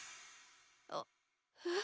あっえっ？